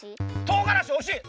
とうがらしおしい！